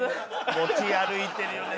持ち歩いてるよね